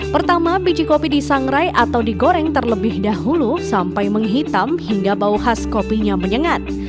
pertama biji kopi disangrai atau digoreng terlebih dahulu sampai menghitam hingga bau khas kopinya menyengat